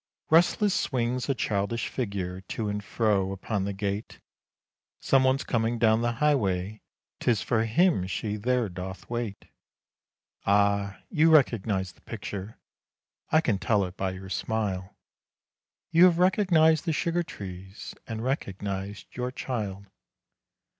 Restless swings a childish figure to and fro upon the gate, Some one's coming down the highway 'tis for him she there doth wait. Ah! you recognize the picture, I can tell it by your smile; You have recognized the sugar trees, and recognized your child.